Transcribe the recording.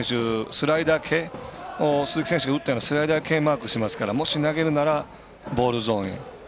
スライダー系を鈴木選手が打ったようなスライダー系をマークしてますからもし投げるならボールゾーンへ。